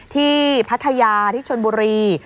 พัทยาที่ชนบุรี